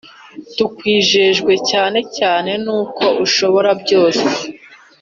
Tukwijejwe cyane cyane nuko ushobora byose